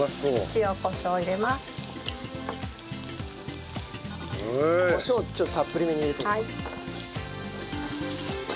ちょっとたっぷりめに入れておこう。